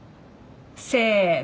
せの！